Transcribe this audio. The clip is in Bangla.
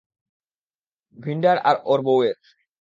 ভিন্ডার আর ওর বউয়ের।